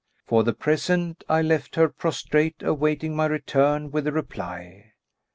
For the present I left her prostrate, awaiting my return with the reply."